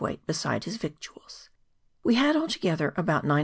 weight beside his victuals. We had altogether about 9561bs.